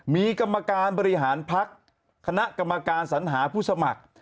มีกรรมการบริหารพักคณะกรรมการสัญหาผู้สมัคร